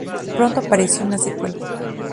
Pronto apareció una secuela.